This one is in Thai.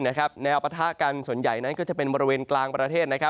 แนวปะทะกันส่วนใหญ่นั้นก็จะเป็นบริเวณกลางประเทศ